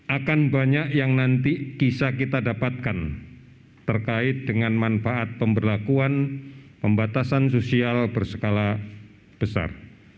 akan banyak yang nanti kisah kita dapatkan terkait dengan manfaat pemberlakuan pembatasan sosial berskala besar